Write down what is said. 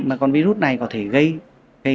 mà con virus này có thể gây